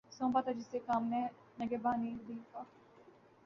سونپا تھا جسے کام نگہبانئ دل کا